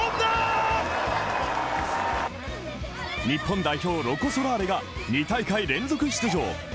日本代表のロコ・ソラーレが２大会連続出場